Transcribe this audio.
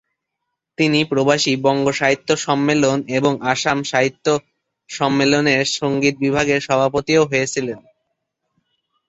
তিনি প্রবাসী বঙ্গ সাহিত্য সম্মেলন ও আসাম সাহিত্য সম্মেলনের সংগীত বিভাগের সভাপতিও হয়েছিলেন।